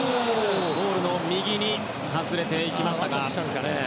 ゴールの右に外れていきましたが。